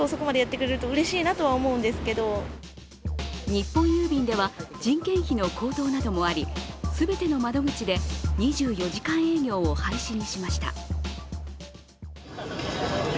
日本郵便では人件費の高騰などもあり全ての窓口で２４時間営業を廃止にしました。